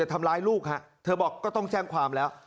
ทำร้ายลูกฮะเธอบอกก็ต้องแจ้งความแล้ว